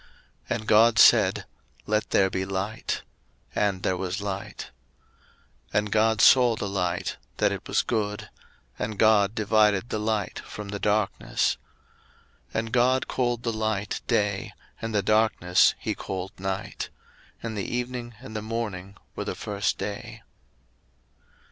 01:001:003 And God said, Let there be light: and there was light. 01:001:004 And God saw the light, that it was good: and God divided the light from the darkness. 01:001:005 And God called the light Day, and the darkness he called Night. And the evening and the morning were the first day.